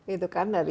itu kan dari